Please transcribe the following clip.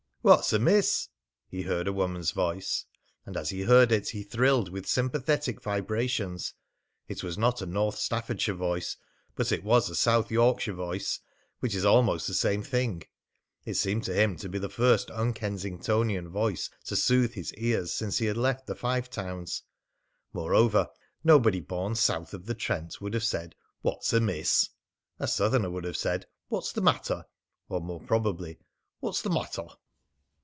"What's amiss?" he heard a woman's voice. And as he heard it he thrilled with sympathetic vibrations. It was not a North Staffordshire voice, but it was a South Yorkshire voice, which is almost the same thing. It seemed to him to be the first un Kensingtonian voice to soothe his ears since he had left the Five Towns. Moreover, nobody born south of the Trent would have said, "What's amiss?" A Southerner would have said, "What's the matter?" Or, more probably, "What's the mattah?"